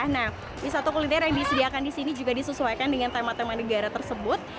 nah wisata kuliner yang disediakan di sini juga disesuaikan dengan tema tema negara tersebut